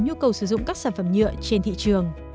nhu cầu sử dụng các sản phẩm nhựa trên thị trường